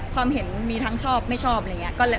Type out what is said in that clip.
ความเห็นมีทั้งชอบไม่ชอบอะไรอย่างนี้